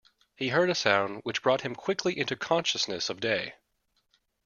He heard a sound which brought him quickly into consciousness of day.